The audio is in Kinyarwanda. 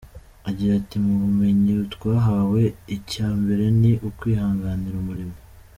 Agira ati “Mu bumenyi twahawe icya mbere ni ukwihangira umurimo.